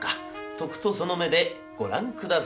とくとその目でご覧くださいませ。